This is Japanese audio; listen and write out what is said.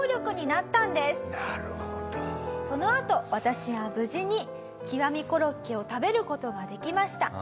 そのあと私は無事に極みコロッケを食べる事ができました。